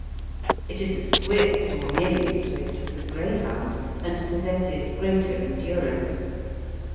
It is as swift, or nearly as swift, as the greyhound, and possesses greater endurance.